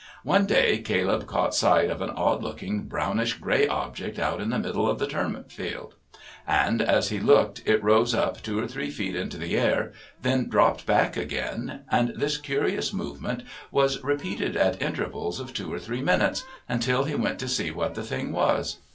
One day Caleb caught sight of an odd looking, brownish grey object out in the middle of the turnip field, and as he looked it rose up two or three feet into the air, then dropped back again, and this curious movement was repeated at intervals of two or three minutes until he went to see what the thing was.